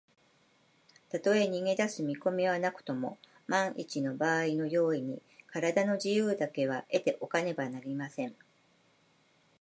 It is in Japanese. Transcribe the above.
たとえ逃げだす見こみはなくとも、まんいちのばあいの用意に、からだの自由だけは得ておかねばなりません。